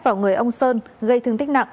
vào người ông sơn gây thương tích nặng